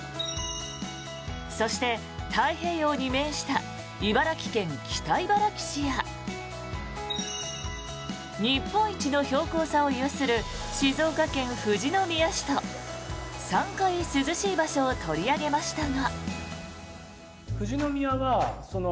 そして、太平洋に面した茨城県北茨城市や日本一の標高差を有する静岡県富士宮市と３回、涼しい場所を取り上げましたが。